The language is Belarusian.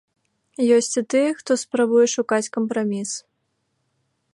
Ёсць і тыя, хто спрабуе шукаць кампраміс.